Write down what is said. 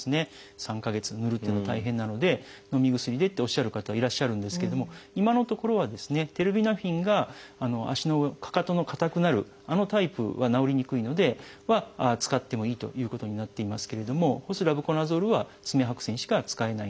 ３か月ぬるというのは大変なのでのみ薬でっておっしゃる方いらっしゃるんですけども今のところはですねテルビナフィンが足のかかとのかたくなるあのタイプは治りにくいのでは使ってもいいということになっていますけれどもホスラブコナゾールは爪白癬しか使えないんですね。